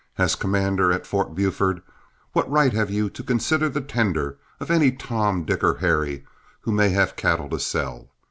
As commander at Fort Buford, what right have you to consider the tender of any Tom, Dick, or Harry who may have cattle to sell?